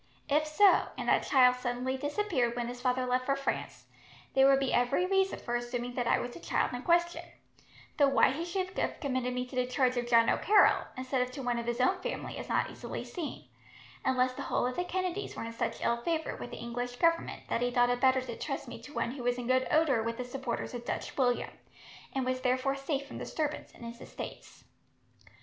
If so, and that child suddenly disappeared when his father left for France, there would be every reason for assuming that I was the child in question; though why he should have committed me to the charge of John O'Carroll, instead of to one of his own family, is not easily seen; unless the whole of the Kennedys were in such ill favour, with the English Government, that he thought it better to trust me to one who was in good odour with the supporters of Dutch William, and was therefore safe from disturbance in his estates."